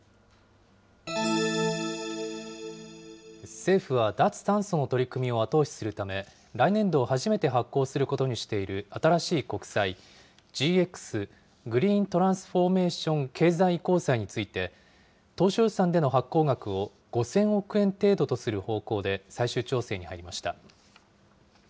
政府は、脱炭素の取り組みを後押しするため、来年度初めて発行することにしている新しい国債、ＧＸ・グリーントランスフォーメーション経済移行債について、当初予算での発行額を５０００億円程度とする方向で最終調整に入りました。